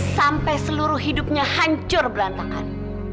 sampai seluruh hidupnya hancur berantakan